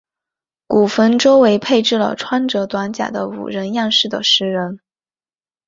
古坟周围配置了穿着短甲的武人样式的石人。